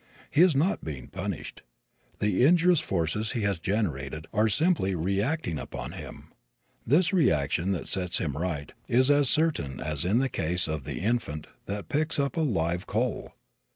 He is not being punished. The injurious forces he has generated are simply reacting upon him. This reaction, that sets him right, is as certain as in the case of the infant that picks up a live coal.